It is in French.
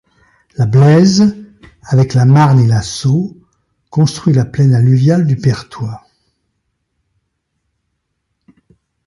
La Blaise, avec la Marne et la Saulx, construit la plaine alluviale du Perthois.